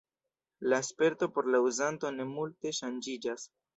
La sperto por la uzanto ne multe ŝanĝiĝas.